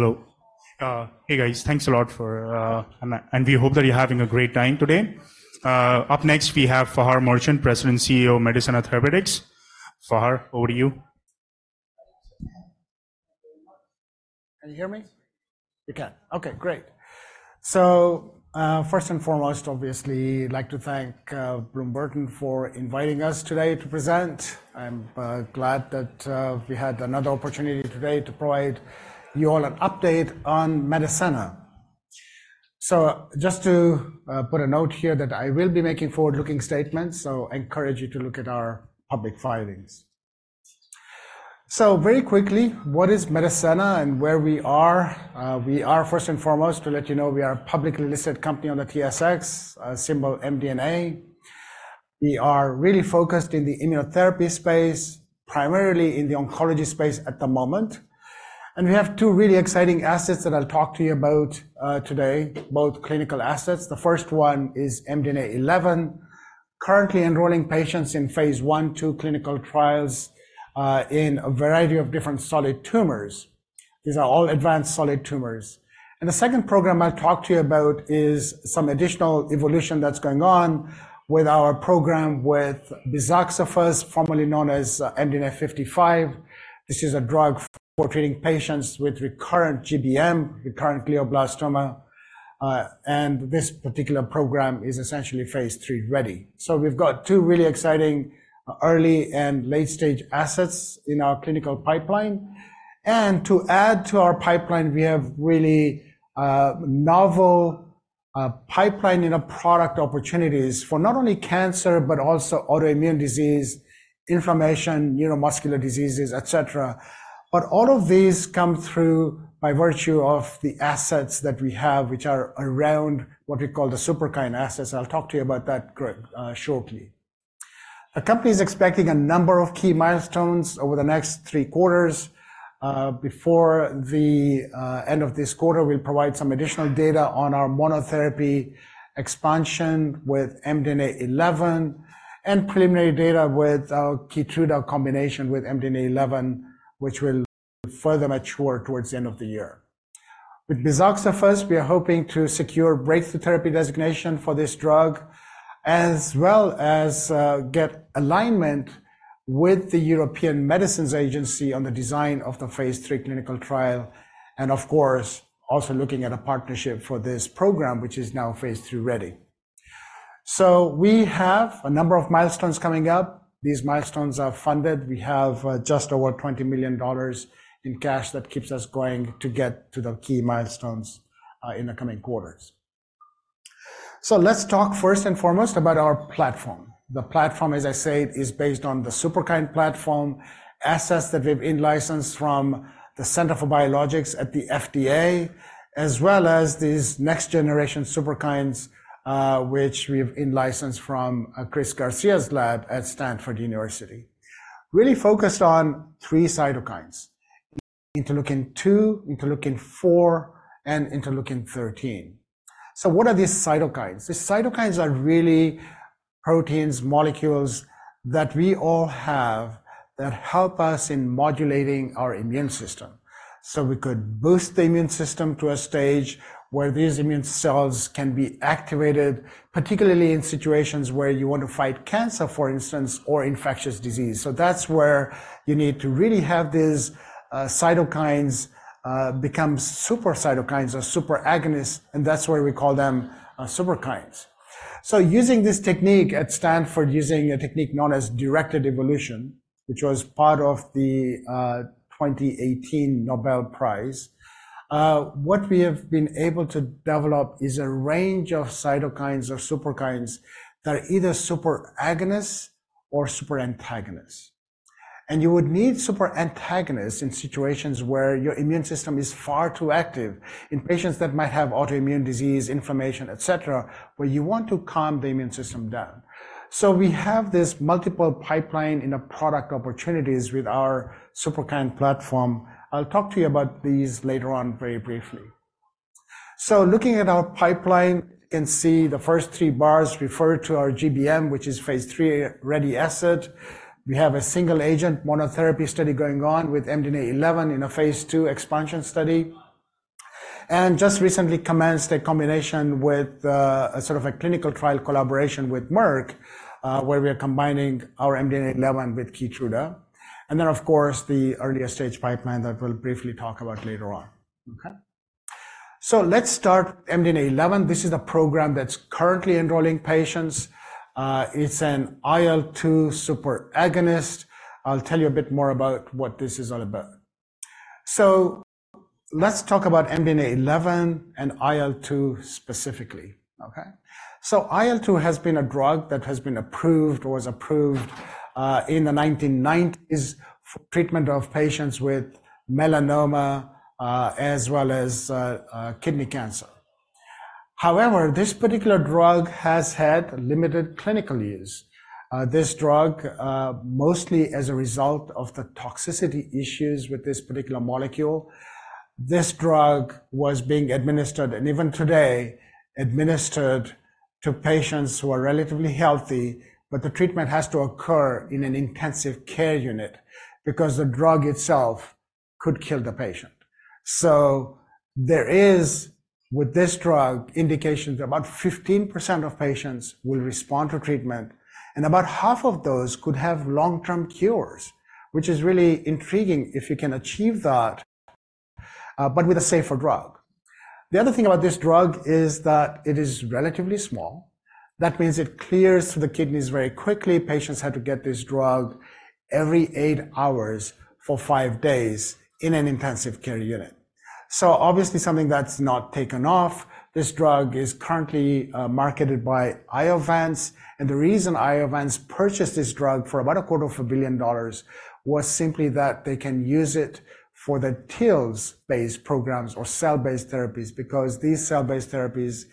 Hello. Hey, guys. Thanks a lot. We hope that you're having a great time today. Up next, we have Fahar Merchant, President and CEO of Medicenna Therapeutics. Fahar, over to you. Can you hear me? You can. Okay, great. So, first and foremost, obviously, I'd like to thank Bloom Burton for inviting us today to present. I'm glad that we had another opportunity today to provide you all an update on Medicenna. So just to put a note here that I will be making forward-looking statements, so I encourage you to look at our public filings. So very quickly, what is Medicenna and where we are? We are, first and foremost, to let you know, we are a publicly listed company on the TSX, symbol MDNA. We are really focused in the immunotherapy space, primarily in the oncology space at the moment. And we have two really exciting assets that I'll talk to you about, today, both clinical assets. The first one is MDNA11, currently enrolling patients in phase I/II clinical trials in a variety of different solid tumors. These are all advanced solid tumors. The second program I'll talk to you about is some additional evolution that's going on with our program with bizaxofusp, formerly known as MDNA55. This is a drug for treating patients with recurrent GBM, recurrent glioblastoma, and this particular program is essentially phase III ready. We've got two really exciting early and late-stage assets in our clinical pipeline. To add to our pipeline, we have really novel pipeline-in-a-product opportunities for not only cancer, but also autoimmune disease, inflammation, neuromuscular diseases, et cetera. All of these come through by virtue of the assets that we have, which are around what we call the Superkine assets. I'll talk to you about that shortly. The company is expecting a number of key milestones over the next three quarters. Before the end of this quarter, we'll provide some additional data on our monotherapy expansion with MDNA11, and preliminary data with our Keytruda combination with MDNA11, which will further mature towards the end of the year. With bizaxofusp, we are hoping to secure breakthrough therapy designation for this drug, as well as get alignment with the European Medicines Agency on the design of the phase III clinical trial, and of course, also looking at a partnership for this program, which is now phase III ready. So we have a number of milestones coming up. These milestones are funded. We have just over $20 million in cash that keeps us going to get to the key milestones in the coming quarters. So let's talk first and foremost about our platform. The platform, as I said, is based on the Superkine platform, assets that we've in-licensed from the Center for Biologics at the FDA, as well as these next-generation Superkines, which we've in-licensed from Chris Garcia's lab at Stanford University. Really focused on three cytokines: interleukin two, interleukin four, and interleukin thirteen. So what are these cytokines? These cytokines are really proteins, molecules that we all have that help us in modulating our immune system. So we could boost the immune system to a stage where these immune cells can be activated, particularly in situations where you want to fight cancer, for instance, or infectious disease. So that's where you need to really have these cytokines become super cytokines or super agonists, and that's why we call them Superkines. So using this technique at Stanford, using a technique known as directed evolution, which was part of the 2018 Nobel Prize, what we have been able to develop is a range of cytokines or Superkines that are either super agonists or super antagonists. And you would need super antagonists in situations where your immune system is far too active, in patients that might have autoimmune disease, inflammation, et cetera, where you want to calm the immune system down. So we have this multiple pipeline-in-a-product opportunities with our Superkine platform. I'll talk to you about these later on very briefly. So looking at our pipeline, you can see the first three bars refer to our GBM, which is phase III ready asset. We have a single agent monotherapy study going on with MDNA11 in a phase II expansion study, and just recently commenced a combination with a sort of a clinical trial collaboration with Merck, where we are combining our MDNA11 with Keytruda, and then, of course, the earlier stage pipeline that we'll briefly talk about later on. Okay? So let's start MDNA11. This is a program that's currently enrolling patients. It's an IL-2 super agonist. I'll tell you a bit more about what this is all about. So let's talk about MDNA11 and IL-2 specifically, okay? So IL-2 has been a drug that has been approved or was approved, in the 1990s, for treatment of patients with melanoma, as well as, kidney cancer. However, this particular drug has had limited clinical use. This drug, mostly as a result of the toxicity issues with this particular molecule, this drug was being administered, and even today, administered to patients who are relatively healthy, but the treatment has to occur in an intensive care unit because the drug itself could kill the patient. So there is, with this drug, indications about 15% of patients will respond to treatment, and about half of those could have long-term cures, which is really intriguing if you can achieve that, but with a safer drug. The other thing about this drug is that it is relatively small. That means it clears through the kidneys very quickly. Patients have to get this drug every eight hours for five days in an intensive care unit. So obviously, something that's not taken off. This drug is currently marketed by Iovance, and the reason Iovance purchased this drug for about $250 million was simply that they can use it for the TILs-based programs or cell-based therapies, because these cell-based therapies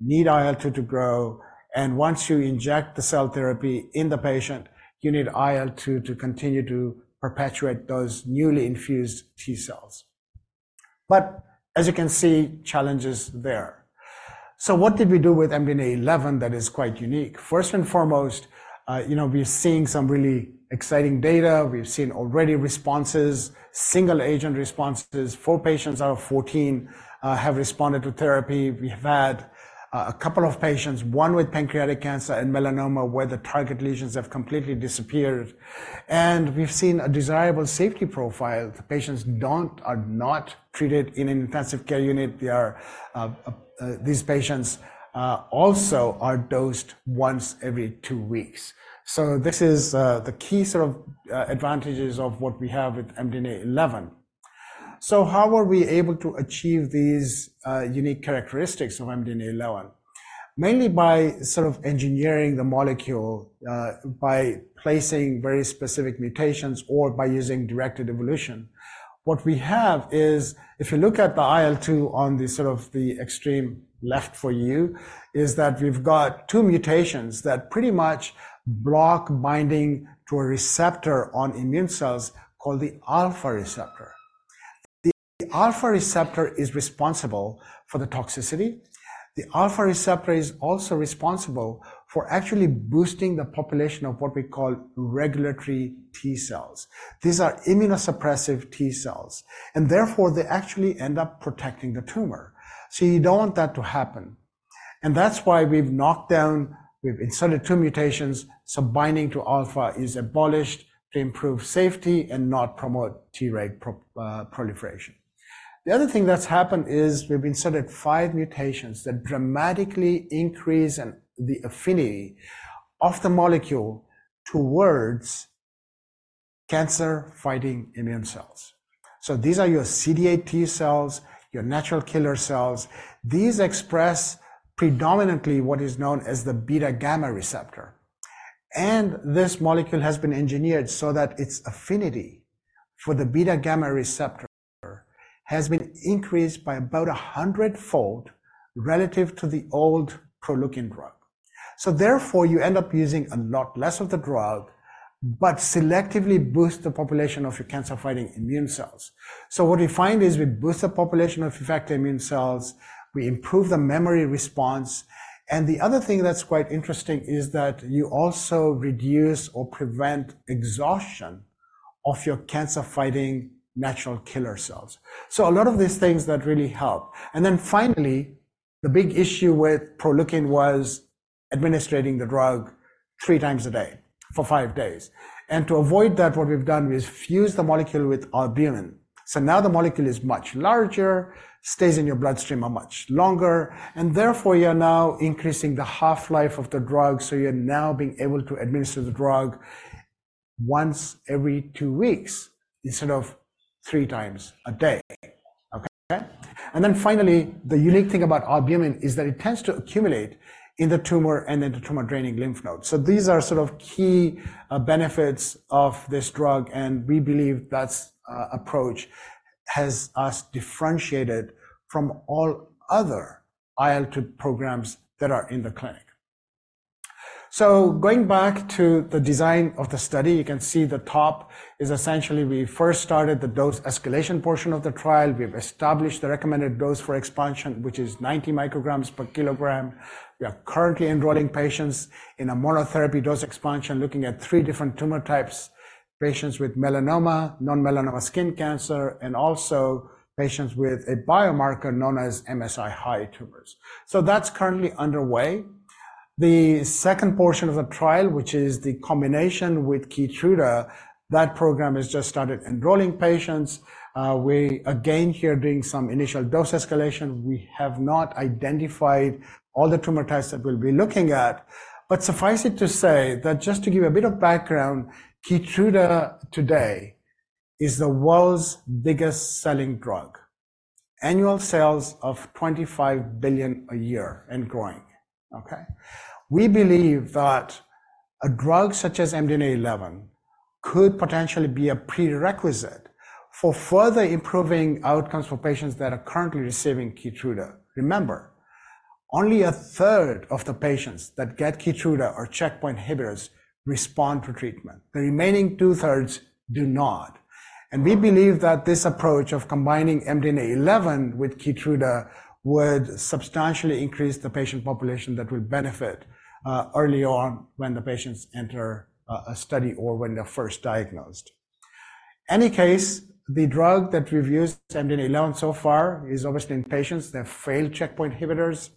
need IL-2 to grow, and once you inject the cell therapy in the patient, you need IL-2 to continue to perpetuate those newly infused T cells. But as you can see, challenges there. So what did we do with MDNA11 that is quite unique? First and foremost, you know, we're seeing some really exciting data. We've seen already responses, single agent responses. Four patients out of 14 have responded to therapy. We have had a couple of patients, one with pancreatic cancer and melanoma, where the target lesions have completely disappeared, and we've seen a desirable safety profile. The patients don't, are not treated in an intensive care unit. They are... These patients also are dosed once every two weeks. So this is the key sort of advantages of what we have with MDNA11. So how were we able to achieve these unique characteristics of MDNA11? Mainly by sort of engineering the molecule by placing very specific mutations or by using directed evolution. What we have is, if you look at the IL-2 on the sort of the extreme left for you, is that we've got two mutations that pretty much block binding to a receptor on immune cells called the alpha receptor. The alpha receptor is responsible for the toxicity. The alpha receptor is also responsible for actually boosting the population of what we call regulatory T cells. These are immunosuppressive T cells, and therefore, they actually end up protecting the tumor, so you don't want that to happen. And that's why we've knocked down, we've inserted two mutations, so binding to alpha is abolished to improve safety and not promote T-reg proliferation. The other thing that's happened is we've inserted five mutations that dramatically increase the affinity of the molecule towards cancer-fighting immune cells. So these are your CD8 T cells, your natural killer cells. These express predominantly what is known as the beta-gamma receptor, and this molecule has been engineered so that its affinity for the beta-gamma receptor has been increased by about a hundredfold relative to the old Proleukin drug. So therefore, you end up using a lot less of the drug, but selectively boost the population of your cancer-fighting immune cells. So what we find is we boost the population of effective immune cells, we improve the memory response, and the other thing that's quite interesting is that you also reduce or prevent exhaustion of your cancer-fighting natural killer cells. So a lot of these things that really help. And then finally, the big issue with Proleukin was administering the drug 3 times a day for 5 days. And to avoid that, what we've done is fuse the molecule with albumin. So now the molecule is much larger, stays in your bloodstream much longer, and therefore, you're now increasing the half-life of the drug, so you're now being able to administer the drug once every 2 weeks instead of 3 times a day. Okay? And then finally, the unique thing about albumin is that it tends to accumulate in the tumor and in the tumor-draining lymph nodes. So these are sort of key benefits of this drug, and we believe that approach has us differentiated from all other IL-2 programs that are in the clinic. So going back to the design of the study, you can see the top is essentially we first started the dose escalation portion of the trial. We've established the recommended dose for expansion, which is 90 micrograms per kilogram. We are currently enrolling patients in a monotherapy dose expansion, looking at three different tumor types, patients with melanoma, non-melanoma skin cancer, and also patients with a biomarker known as MSI-High tumors. So that's currently underway. The second portion of the trial, which is the combination with Keytruda, that program has just started enrolling patients. We again here doing some initial dose escalation. We have not identified all the tumor types that we'll be looking at, but suffice it to say that just to give a bit of background, Keytruda today is the world's biggest-selling drug, annual sales of $25 billion a year and growing, okay? We believe that a drug such as MDNA11 could potentially be a prerequisite for further improving outcomes for patients that are currently receiving Keytruda. Remember, only a third of the patients that get Keytruda or checkpoint inhibitors respond to treatment. The remaining two-thirds do not. We believe that this approach of combining MDNA11 with Keytruda would substantially increase the patient population that would benefit, early on when the patients enter a study or when they're first diagnosed. In any case, the drug that we've used, MDNA11 so far, is obviously in patients that have failed checkpoint inhibitors.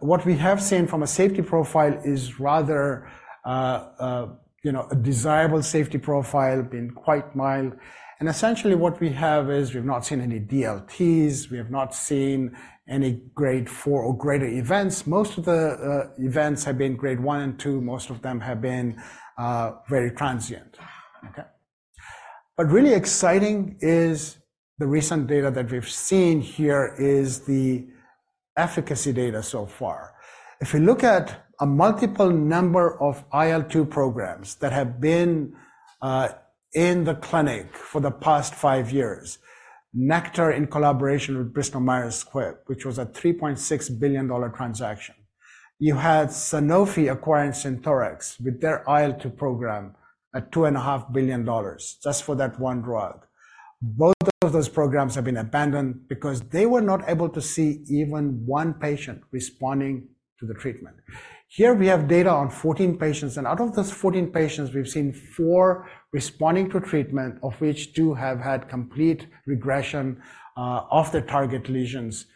What we have seen from a safety profile is rather, you know, a desirable safety profile, been quite mild. Essentially what we have is we've not seen any DLTs, we have not seen any grade 4 or greater events. Most of the events have been grade 1 and 2, most of them have been very transient. Okay? But really exciting is the recent data that we've seen here is the efficacy data so far. If we look at a multiple number of IL-2 programs that have been in the clinic for the past 5 years, Nektar in collaboration with Bristol Myers Squibb, which was a $3.6 billion transaction. You had Sanofi acquiring Synthorx with their IL-2 program at $2.5 billion just for that one drug. Both of those programs have been abandoned because they were not able to see even one patient responding to the treatment. Here we have data on 14 patients, and out of those 14 patients, we've seen 4 responding to treatment, of which 2 have had complete regression of their target lesions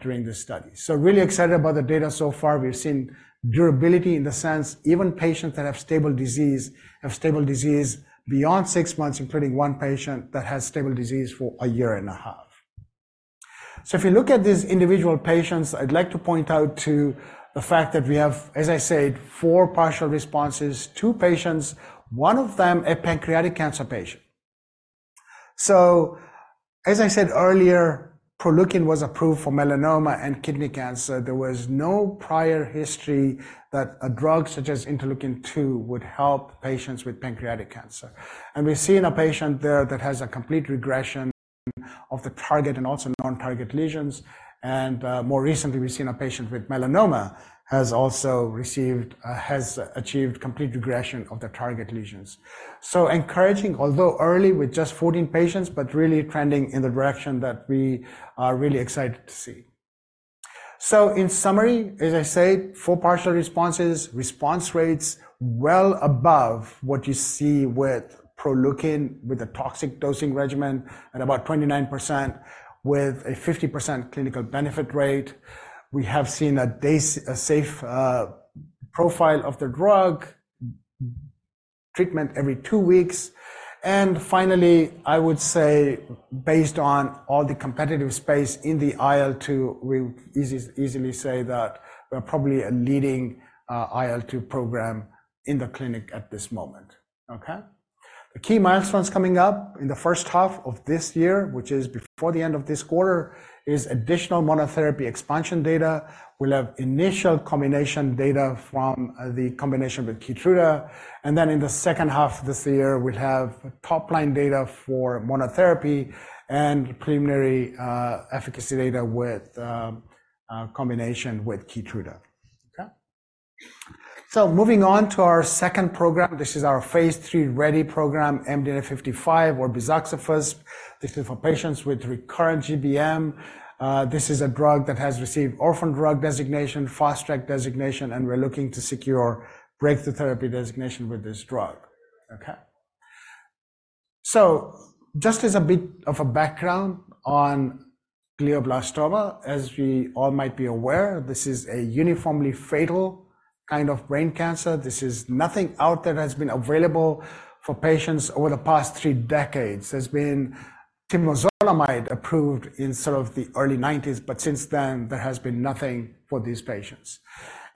during this study. So really excited about the data so far. We've seen durability in the sense even patients that have stable disease, have stable disease beyond 6 months, including one patient that has stable disease for a year and a half. So if you look at these individual patients, I'd like to point out to the fact that we have, as I said, 4 partial responses, 2 patients, one of them a pancreatic cancer patient. So as I said earlier, Proleukin was approved for melanoma and kidney cancer. There was no prior history that a drug such as interleukin-2 would help patients with pancreatic cancer, and we're seeing a patient there that has a complete regression of the target and also non-target lesions. And, more recently, we've seen a patient with melanoma has also received, has achieved complete regression of the target lesions. So encouraging, although early with just 14 patients, but really trending in the direction that we are really excited to see. So in summary, as I said, four partial responses, response rates well above what you see with Proleukin, with a toxic dosing regimen at about 29%, with a 50% clinical benefit rate. We have seen a safe profile of the drug, treatment every two weeks. And finally, I would say, based on all the competitive space in the IL-2, we easily, easily say that we're probably a leading IL-2 program in the clinic at this moment. Okay? The key milestones coming up in the first half of this year, which is before the end of this quarter, is additional monotherapy expansion data. We'll have initial combination data from the combination with Keytruda, and then in the second half of this year, we'll have top-line data for monotherapy and preliminary efficacy data with combination with Keytruda. Okay? So moving on to our second program. This is our phase III ready program, MDNA55, or bizaxofusp. This is for patients with recurrent GBM. This is a drug that has received Orphan Drug Designation, Fast Track Designation, and we're looking to secure Breakthrough Therapy Designation with this drug. Okay? So just as a bit of a background on glioblastoma, as we all might be aware, this is a uniformly fatal kind of brain cancer. This is nothing out there has been available for patients over the past three decades. There's been temozolomide approved in sort of the early 1990s, but since then, there has been nothing for these patients.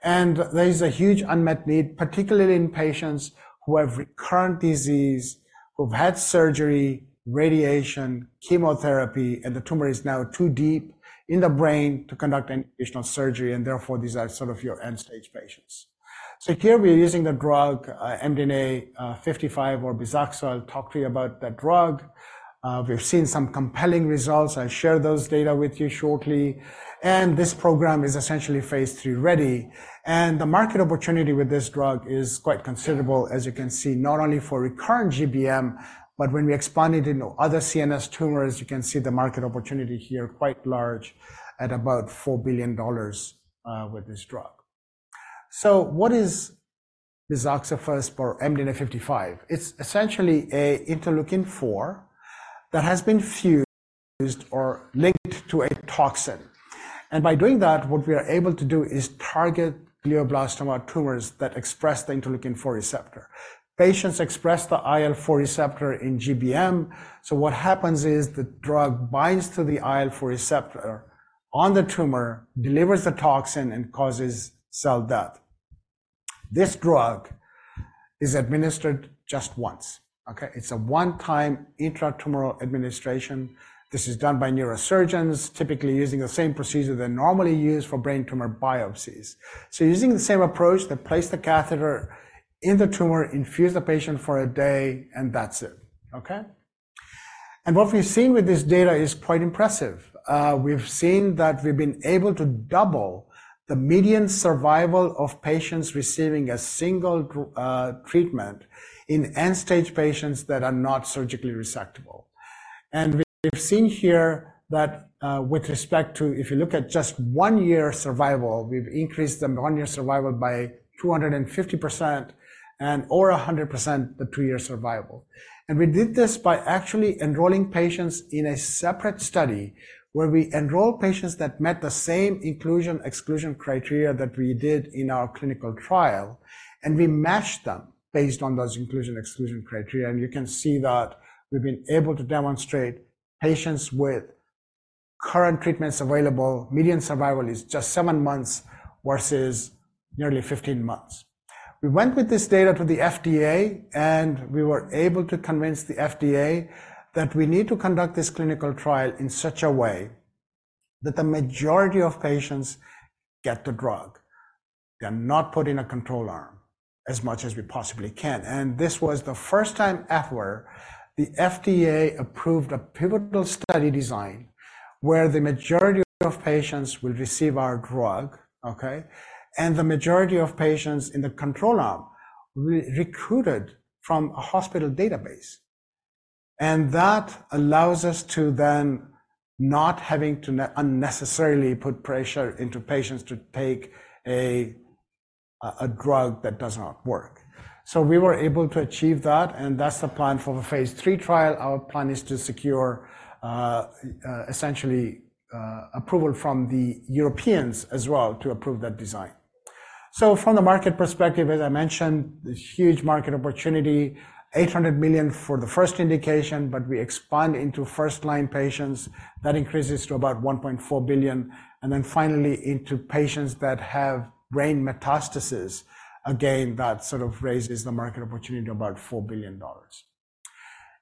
And there is a huge unmet need, particularly in patients who have recurrent disease, who've had surgery, radiation, chemotherapy, and the tumor is now too deep in the brain to conduct additional surgery, and therefore, these are sort of your end-stage patients. So here we are using the drug, MDNA55, or bizaxofusp. I'll talk to you about that drug. We've seen some compelling results. I'll share those data with you shortly. This program is essentially phase III ready, and the market opportunity with this drug is quite considerable, as you can see, not only for recurrent GBM, but when we expand it into other CNS tumors, you can see the market opportunity here, quite large, at about $4 billion with this drug. What is bizaxofusp or MDNA55? It's essentially a interleukin-4 that has been fused or linked to a toxin. By doing that, what we are able to do is target glioblastoma tumors that express the interleukin-4 receptor. Patients express the IL-4 receptor in GBM, so what happens is the drug binds to the IL-4 receptor on the tumor, delivers the toxin, and causes cell death. This drug is administered just once, okay? It's a one-time intratumoral administration. This is done by neurosurgeons, typically using the same procedure they normally use for brain tumor biopsies. So using the same approach, they place the catheter in the tumor, infuse the patient for a day, and that's it. Okay? And what we've seen with this data is quite impressive. We've seen that we've been able to double the median survival of patients receiving a single treatment in end-stage patients that are not surgically resectable. And we've seen here that, with respect to if you look at just one-year survival, we've increased the one-year survival by 250% and over 100%, the two-year survival. We did this by actually enrolling patients in a separate study, where we enroll patients that met the same inclusion, exclusion criteria that we did in our clinical trial, and we matched them based on those inclusion, exclusion criteria. You can see that we've been able to demonstrate patients with current treatments available, median survival is just 7 months, versus nearly 15 months. We went with this data to the FDA, and we were able to convince the FDA that we need to conduct this clinical trial in such a way that the majority of patients get the drug. They're not put in a control arm as much as we possibly can. This was the first time ever the FDA approved a pivotal study design, where the majority of patients will receive our drug, okay? The majority of patients in the control arm recruited from a hospital database. That allows us to then not having to unnecessarily put pressure into patients to take a drug that does not work. We were able to achieve that, and that's the plan for the phase 3 trial. Our plan is to secure essentially approval from the Europeans as well to approve that design. From the market perspective, as I mentioned, this huge market opportunity, $800 million for the first indication, but we expand into first-line patients, that increases to about $1.4 billion, and then finally into patients that have brain metastases. Again, that sort of raises the market opportunity to about $4 billion.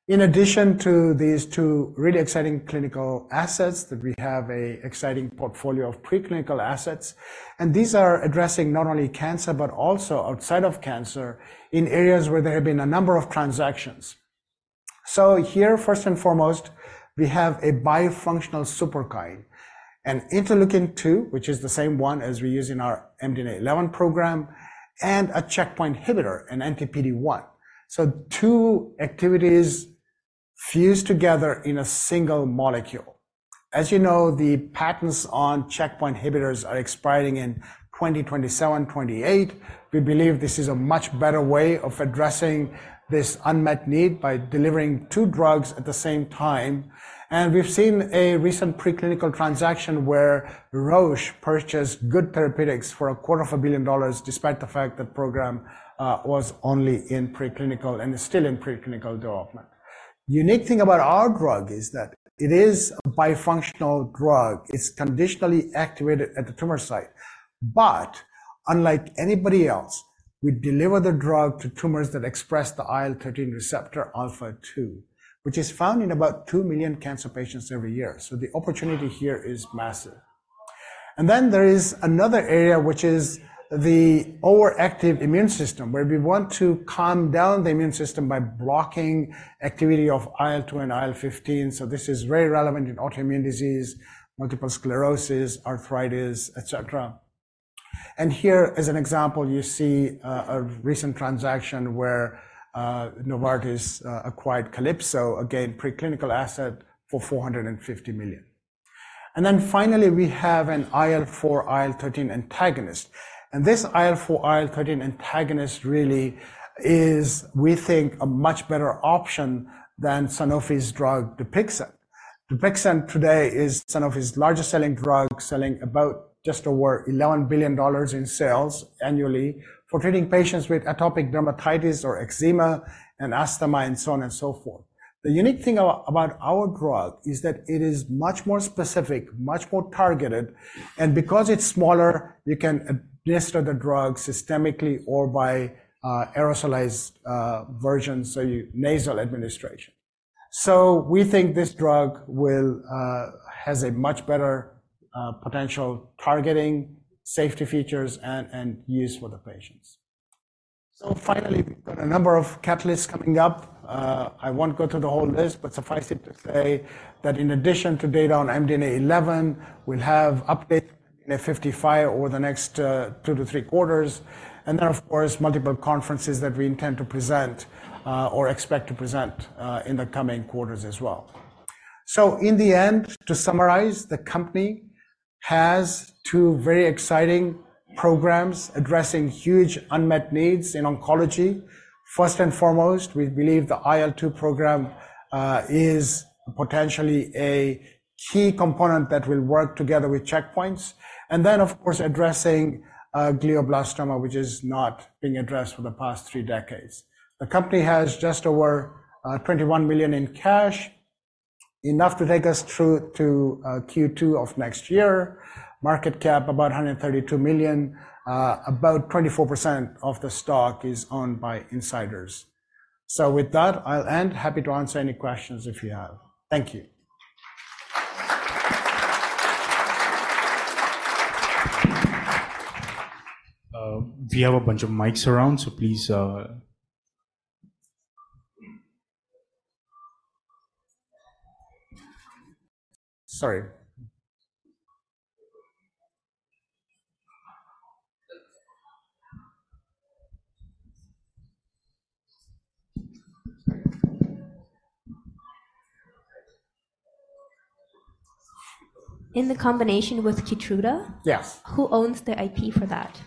In addition to these two really exciting clinical assets that we have an exciting portfolio of preclinical assets, and these are addressing not only cancer, but also outside of cancer, in areas where there have been a number of transactions. So here, first and foremost, we have a bifunctional Superkine, an interleukin two, which is the same one as we use in our MDNA11 program, and a checkpoint inhibitor, an anti-PD-1. So two activities fused together in a single molecule. As you know, the patents on checkpoint inhibitors are expiring in 2027, 2028. We believe this is a much better way of addressing this unmet need by delivering two drugs at the same time. We've seen a recent preclinical transaction where Roche purchased Good Therapeutics for $250 million, despite the fact the program was only in preclinical and is still in preclinical development. The unique thing about our drug is that it is a bifunctional drug. It's conditionally activated at the tumor site, but unlike anybody else, we deliver the drug to tumors that express the IL-13 receptor alpha 2, which is found in about 2 million cancer patients every year. The opportunity here is massive. Then there is another area which is the overactive immune system, where we want to calm down the immune system by blocking activity of IL-2 and IL-15. This is very relevant in autoimmune disease, multiple sclerosis, arthritis, et cetera. And here, as an example, you see a recent transaction where Novartis acquired Calypso, again, preclinical asset for $450 million. Then finally, we have an IL-4, IL-13 antagonist, and this IL-4, IL-13 antagonist really is, we think, a much better option than Sanofi's drug, Dupixent. Dupixent today is Sanofi's largest-selling drug, selling about just over $11 billion in sales annually for treating patients with atopic dermatitis or eczema and asthma and so on and so forth. The unique thing about our drug is that it is much more specific, much more targeted, and because it's smaller, you can administer the drug systemically or by aerosolized version, so nasal administration. So we think this drug has a much better potential targeting, safety features, and use for the patients. Finally, we've got a number of catalysts coming up. I won't go through the whole list, but suffice it to say that in addition to data on MDNA11, we'll have updates in 55 over the next 2-3 quarters, and there are, of course, multiple conferences that we intend to present or expect to present in the coming quarters as well. So in the end, to summarize, the company has two very exciting programs addressing huge unmet needs in oncology. First and foremost, we believe the IL-2 program is potentially a key component that will work together with checkpoints, and then, of course, addressing glioblastoma, which is not being addressed for the past three decades. The company has just over $21 million in cash, enough to take us through to Q2 of next year. Market cap, about 132 million. About 24% of the stock is owned by insiders. So with that, I'll end. Happy to answer any questions if you have. Thank you. We have a bunch of mics around, so please, sorry. In the combination with Keytruda? Yes. Who owns the IP for that?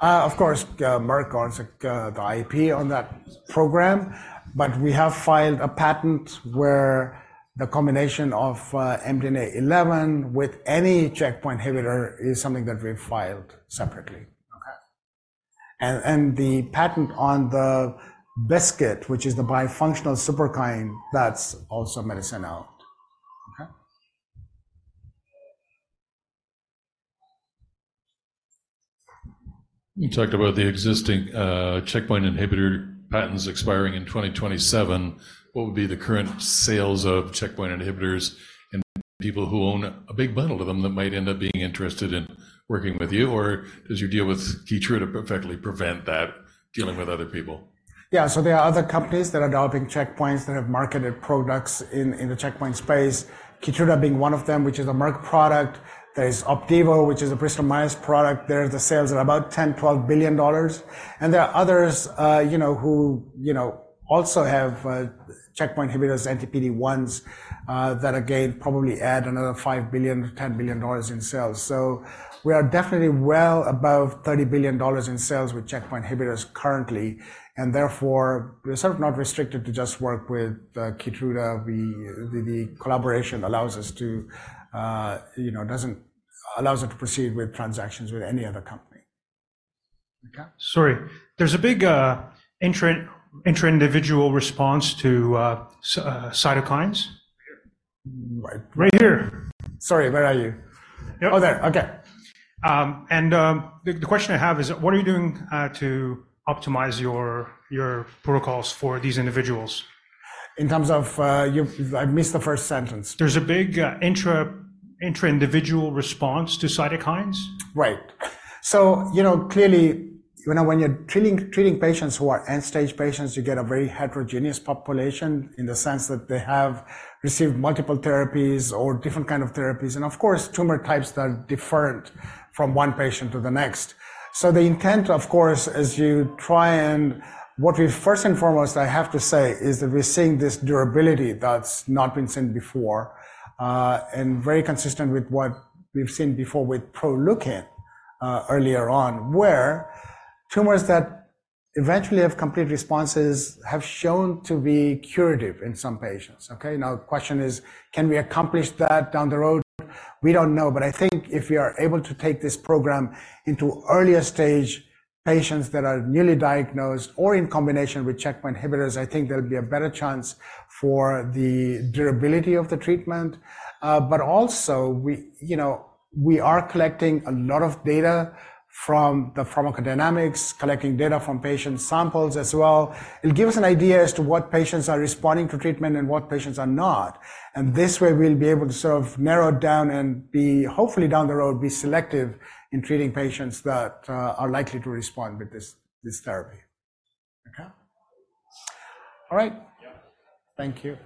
Of course, Merck owns the IP on that program, but we have filed a patent where the combination of MDNA11 with any checkpoint inhibitor is something that we've filed separately. Okay? And the patent on the BiSKITs, which is the bifunctional Superkine, that's also Medicenna's. Okay. You talked about the existing checkpoint inhibitor patents expiring in 2027. What would be the current sales of checkpoint inhibitors and people who own a big bundle of them that might end up being interested in working with you? Or does your deal with Keytruda perfectly prevent that, dealing with other people? Yeah. So there are other companies that are developing checkpoints that have marketed products in the checkpoint space, Keytruda being one of them, which is a Merck product. There's Opdivo, which is a Bristol Myers product. There the sales are about $10-$12 billion. And there are others, you know, who, you know, also have checkpoint inhibitors, anti-PD-1s, that again, probably add another $5 billion-$10 billion in sales. So we are definitely well above $30 billion in sales with checkpoint inhibitors currently, and therefore, we're sort of not restricted to just work with Keytruda. We, the collaboration allows us to, you know, allows us to proceed with transactions with any other company. Okay? Sorry, there's a big intra-individual response to cytokines. Right. Right here. Sorry, where are you? Oh, there. Okay. The question I have is, what are you doing to optimize your protocols for these individuals? In terms of, I missed the first sentence. There's a big intra-individual response to cytokines. Right. So, you know, clearly, you know, when you're treating patients who are end-stage patients, you get a very heterogeneous population in the sense that they have received multiple therapies or different kind of therapies, and of course, tumor types that are different from one patient to the next. So the intent, of course, as you try and—what we first and foremost, I have to say, is that we're seeing this durability that's not been seen before, and very consistent with what we've seen before with Proleukin, earlier on, where tumors that eventually have complete responses have shown to be curative in some patients. Okay, now, the question is: Can we accomplish that down the road? We don't know, but I think if we are able to take this program into earlier stage, patients that are newly diagnosed or in combination with checkpoint inhibitors, I think there'll be a better chance for the durability of the treatment. But also we, you know, we are collecting a lot of data from the pharmacodynamics, collecting data from patient samples as well. It'll give us an idea as to what patients are responding to treatment and what patients are not, and this way, we'll be able to sort of narrow it down and be, hopefully down the road, be selective in treating patients that, are likely to respond with this, this therapy. Okay? All right. Yeah. Thank you.